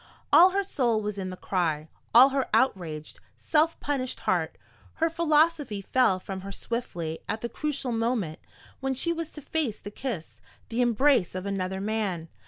All her soul was in the cry, all her outraged, self punished heart. Her philosophy fell from her swiftly at the crucial moment when she was to face the kiss, the embrace of another man.